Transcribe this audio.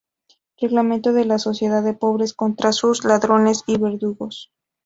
Reglamento de la Sociedad de Pobres, contra sus ladrones y verdugos.